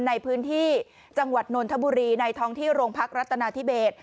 ในพื้นที่จังหวัดนนทบุรีในท้องที่โรงพักรัฐนาธิเบส